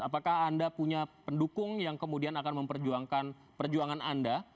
apakah anda punya pendukung yang kemudian akan memperjuangkan perjuangan anda